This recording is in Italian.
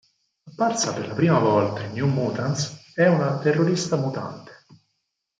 Apparsa per la prima volta in "New Mutants", è una terrorista mutante.